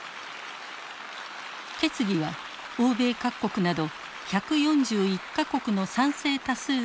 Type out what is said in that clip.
決議は欧米各国など１４１か国の賛成多数で採択。